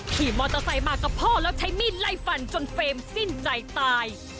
ขี่มอเตอร์ไซค์มากับพ่อแล้วใช้มีดไล่ฟันจนเฟรมสิ้นใจตาย